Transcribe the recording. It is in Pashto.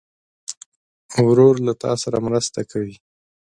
ورور له تا سره مرسته کوي.